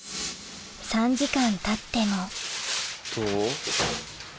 ３時間たってもどう？